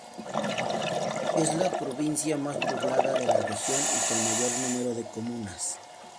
Es la Provincia más poblada de la región y con mayor número de comunas.